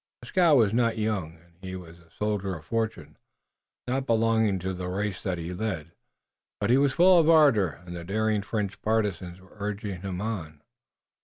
Dieskau was not young, and he was a soldier of fortune, not belonging to the race that he led, but he was full of ardor, and the daring French partisans were urging him on.